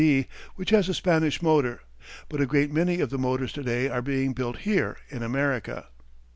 D.," which has a Spanish motor. But a great many of the motors to day are being built here in America.